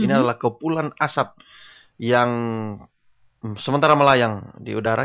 ini adalah kepulan asap yang sementara melayang di udara